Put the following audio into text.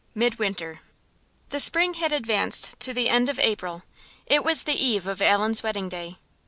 MIDWINTER. The spring had advanced to the end of April. It was the eve of Allan's wedding day.